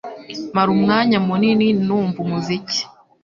Mara umwanya munini numva umuziki.